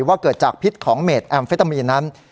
ว่าเกิดจากพิษของเมดแอมเฟตามีนนั้น